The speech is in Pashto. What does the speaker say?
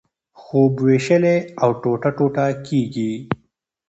خوب وېشلی او ټوټه ټوټه کېږي.